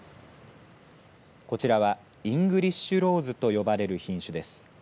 こちらはイングリッシュローズと呼ばれる品種です。